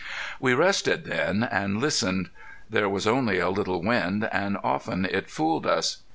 We rested then, and listened. There was only a little wind, and often it fooled us.